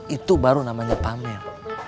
itu baru namanya pamer